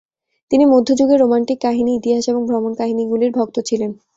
তিনি মধ্যযুগের রোমান্টিক কাহিনী, ইতিহাস এবং ভ্রমণকাহিনীগুলির ভক্ত ছিলেন।